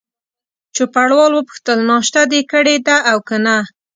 چوپړوال وپوښتل: ناشته دي کړې ده او که نه؟